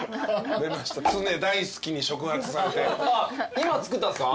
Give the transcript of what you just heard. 今作ったんすか？